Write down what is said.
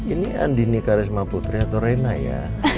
ini andini karisma putri atau rena ya